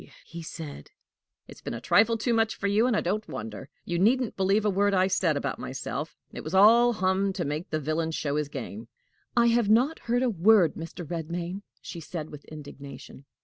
he said; "it's been a trifle too much for you, and I don't wonder! You needn't believe a word I said about myself. It was all hum to make the villain show his game." "I have not heard a word, Mr. Redmain," she said with indignation.